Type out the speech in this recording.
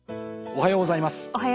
おはようございます。